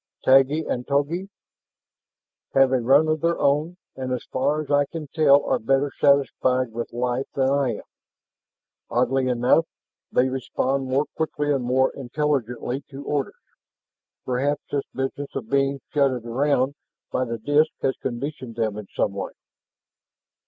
"Taggi and Togi?" "Have a run of their own and as far as I can tell are better satisfied with life than I am. Oddly enough, they respond more quickly and more intelligently to orders. Perhaps this business of being shunted around by the disks has conditioned them in some way."